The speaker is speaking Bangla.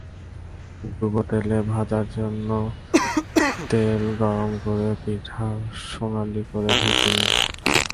ডুবো তেলে ভাজার জন্য তেল গরম করে পিঠা সোনালি করে ভেজে নিন।